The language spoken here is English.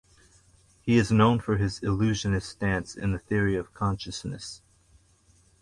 He is known for his "illusionist" stance in the theory of consciousness.